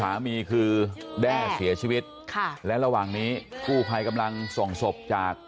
สามีคือแด้เสียชีวิตค่ะและระหว่างนี้กู้ภัยกำลังส่งศพจาก